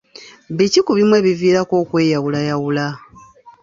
Biki ku bimu ebiviirako okweyawulayawula?